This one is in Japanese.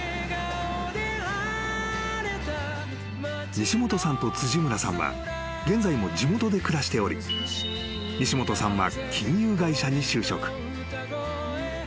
［西本さんと辻村さんは現在も地元で暮らしており西本さんは］